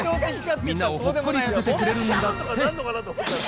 みんなをほっこりさせてくれるんだって。